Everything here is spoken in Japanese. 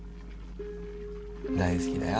大好きだよ